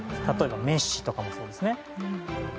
例えばメッシとかもそうですね。